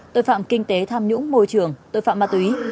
tội phạm kinh tế tham nhũng môi trường tội phạm ma túy